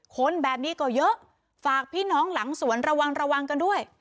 คนแบบนี้ก็เยอะฝากพี่น้องหลังสวนระวังระวังกันด้วย